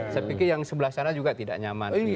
saya pikir yang sebelah sana juga tidak nyaman